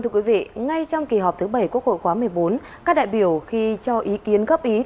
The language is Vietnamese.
thưa quý vị ngay trong kỳ họp thứ bảy quốc hội khóa một mươi bốn các đại biểu khi cho ý kiến góp ý